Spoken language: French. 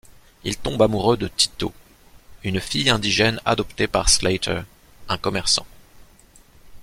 Il tombe amoureux de Tito, une fille indigène adoptée par Slater, un commerçant.